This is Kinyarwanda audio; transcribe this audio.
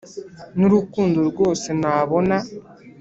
n'urukundo rwose nabona.